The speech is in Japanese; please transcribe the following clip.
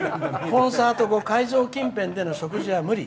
コンサート後、会場近辺での食事は無理。